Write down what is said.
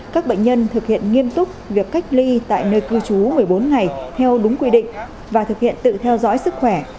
các bệnh nhân thực hiện nghiêm túc việc cách ly tại nơi cư trú một mươi bốn ngày theo đúng quy định và thực hiện tự theo dõi sức khỏe